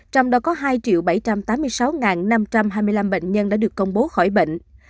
trong đó có hai bảy trăm tám mươi sáu năm trăm hai mươi năm bệnh nhân đã được công bố khỏi bệnh